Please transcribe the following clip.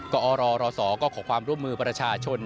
กอรรศก็ขอความร่วมมือประชาชน